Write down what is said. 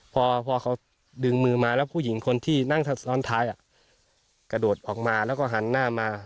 พอเขาดึงมือมาแล้วผู้หญิงคนที่นั่งซ้อนท้ายกระโดดออกมาแล้วก็หันหน้ามา